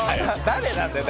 誰なんだよ！